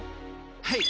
はい。